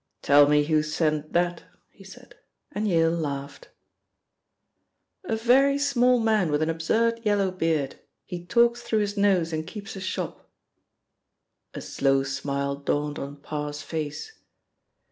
"Tell me who sent that?" he said, and Yale laughed. "A very small man with an absurd yellow beard; he talks through his nose and keeps a shop." A slow smile dawned on Parr's face.